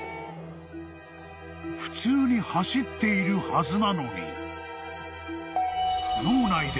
［普通に走っているはずなのに］